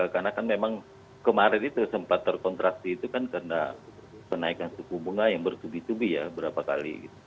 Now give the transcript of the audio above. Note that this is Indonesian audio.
karena kan memang kemarin itu sempat terkontrasi itu kan karena penaikan suku bunga yang bersubi subi ya berapa kali